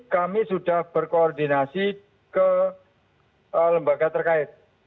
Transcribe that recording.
kami sudah berkoordinasi ke lembaga terkait